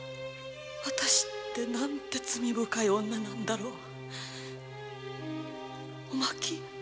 私ってなんて罪深い女なんだろう